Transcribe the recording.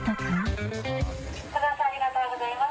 ご乗車ありがとうございます